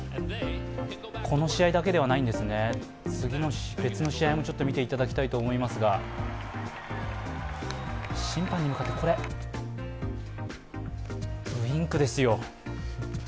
この試合だけではないんですね、別の試合も見ていただきたいと思いますが、審判に向かってこれ、ウインクですよ。